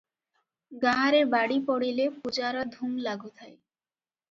ଗାଁରେ ବାଡ଼ିପଡିଲେ ପୂଜାର ଧୂମ୍ ଲାଗୁଥାଏ ।